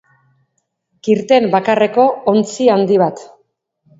Kirten bakarreko ontzi handi bat.